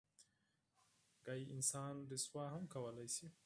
خبره انسان رسوا هم کولی شي.